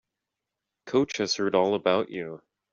Coach has heard all about you.